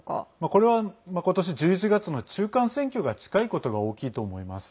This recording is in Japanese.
これは、今年１１月の中間選挙が近いことが大きいと思います。